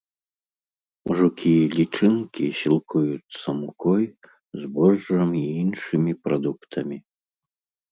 Жукі і лічынкі сілкуюцца мукой, збожжам і іншымі прадуктамі.